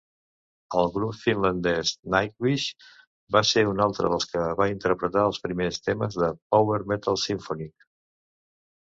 El grup finlandès Nightwish va ser un altre dels que va interpretar els primers temes de power metal simfònic.